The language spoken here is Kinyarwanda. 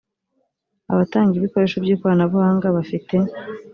abatanga ibikoresho by ikoranabuhanga bafite